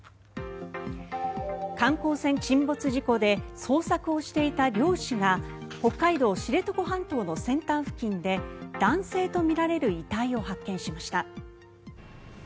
観光船沈没事故で捜索をしていた漁師が北海道・知床半島の先端付近で男性とみられる遺体を発見しました。